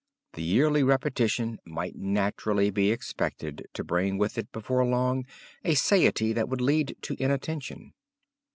The yearly repetition might naturally be expected to bring with it before long a satiety that would lead to inattention.